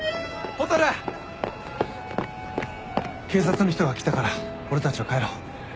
警察の人が来たから俺たちは帰ろう。